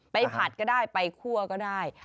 ผัดก็ได้ไปคั่วก็ได้